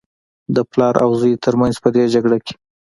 د پلار او زوى تر منځ په دې جګړه کې.